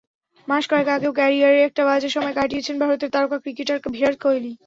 মাস কয়েক আগেও ক্যারিয়ারের একটা বাজে সময় কাটিয়েছেন ভারতের তারকা ক্রিকেটার বিরাট কোহলি।